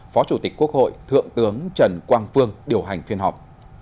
phó chủ tịch quốc hội thượng tướng trần quang phương điều hành phiên họp